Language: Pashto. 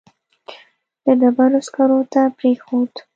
د ډبرو سکرو ته پرېښود.